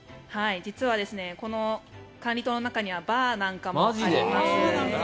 実はこの管理棟の中にはバーなんかもあります。